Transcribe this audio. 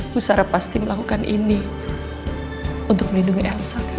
musara pasti melakukan ini untuk melindungi elsa kan